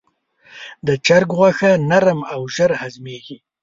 د چرګ غوښه نرم او ژر هضمېږي.